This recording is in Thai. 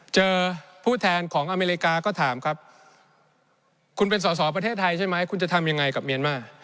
เจอผู้แทนของอเมริกาก็ถามครับคุณเป็นสอสอประเทศไทยใช่ไหมคุณจะทำยังไงกับเมียนมาร์